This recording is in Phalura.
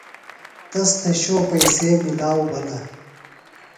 تس تھےۡ شو پیئسے ملاؤ بِھلہ۔